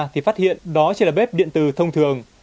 thì phát hiện đó chỉ là bếp điện tử thông thường